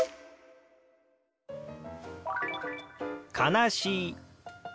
「悲しい」。